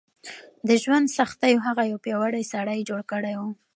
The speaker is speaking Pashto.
د ژوند سختیو هغه یو پیاوړی سړی جوړ کړی و.